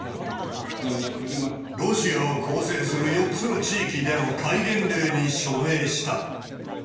ロシアを構成する４つの地域での戒厳令に署名した。